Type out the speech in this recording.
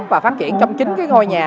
và phát triển trong chính cái ngôi nhà